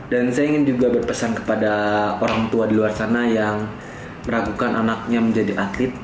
dan saya ingin juga berpesan kepada orang tua di luar sana yang meragukan anaknya menjadi atlet